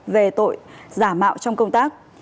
về tội giả mạo trong công tác